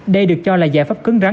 đây được cho là giải pháp cứng rắn